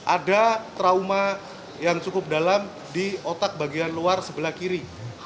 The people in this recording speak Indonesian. ada trauma yang cukup dalam di otak bagian luar sebelah kiri